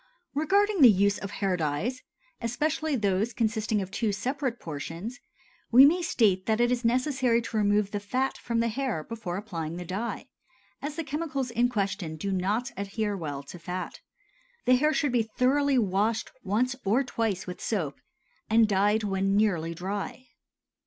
Regarding the use of hair dyes, especially those consisting of two separate portions, we may state that it is necessary to remove the fat from the hair before applying the dye, as the chemicals in question do not adhere well to fat. The hair should be thoroughly washed once or twice with soap, and dyed when nearly dry.